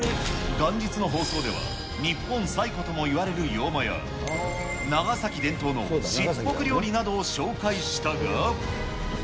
元日の放送では、日本最古ともいわれる洋間や、長崎伝統のしっぽく料理などを紹介したが。